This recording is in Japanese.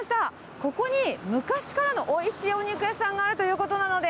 ここに昔からのおいしいお肉屋さんがあるということなので。